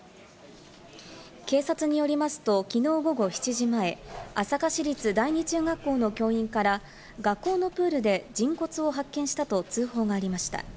警察によりますと、きのう午後７時前、朝霞市立第二中学校の教員から学校のプールで人骨を発見したと通報がありました。